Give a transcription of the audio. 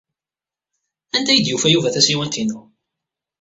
Anda ay d-yufa Yuba tasiwant-inu?